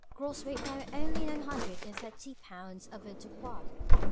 Gross weight now only nine hundred and thirty pounds averdupois.